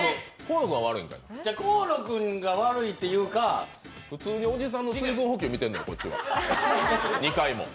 河野君が悪いというか普通におじさんの水分補給みたいだった、２回も。